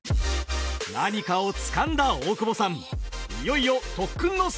何かをつかんだ大久保さん！